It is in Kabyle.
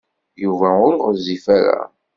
Yuba ur ɣezzif ara.